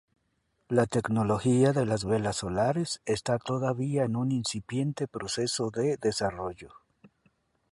La tecnología de las velas solares está todavía en un incipiente proceso de desarrollo.